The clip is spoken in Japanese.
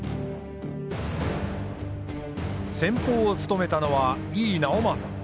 先ぽうを務めたのは井伊直政。